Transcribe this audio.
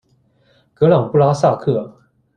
格朗布拉萨克。